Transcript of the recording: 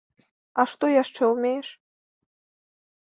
А што яшчэ ўмееш?